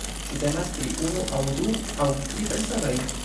Ĉu temas pri unu aŭ du aŭ tri personoj?